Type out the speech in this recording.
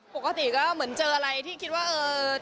ปกติก็เหมือนเจออะไรที่คิดว่าเออ